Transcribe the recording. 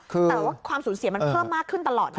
แต่ว่าความสูญเสียมันเพิ่มมากขึ้นตลอดนะ